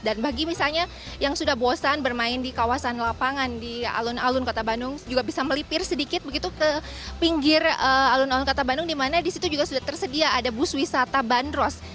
dan bagi misalnya yang sudah bosan bermain di kawasan lapangan di alun alun kota bandung juga bisa melipir sedikit begitu ke pinggir alun alun kota bandung di mana di situ juga sudah tersedia ada bus wisata bandros